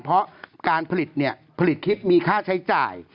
เพราะการผลิตผลิตคลิปมีค่าใช้จ่าย